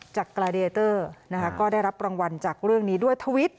กลายเดเตอร์นะคะก็ได้รับรางวัลจากเรื่องนี้ด้วยทวิต